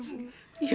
ibu nggak percaya sas